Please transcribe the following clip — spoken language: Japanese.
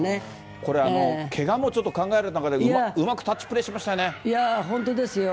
これ、けがもちょっと考える中で、うまくタッチプレーしましいやー、本当ですよ。